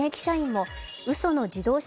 もうその自動車